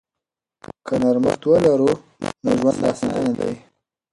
که نرمښت ولرو نو ژوند اسانه دی.